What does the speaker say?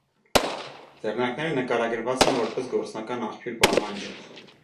Ձեռնարկները նկարագրուած են որպէս գործական աղբիւր պահանջող։